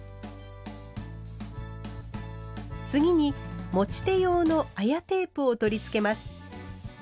次に持ち手用の綾テープを取り付けます。